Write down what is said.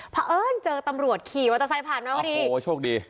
เพราะเอิญเจอตำรวจขี่มอเตอร์ไซค์ผ่านมาพอดีโอ้โหโชคดี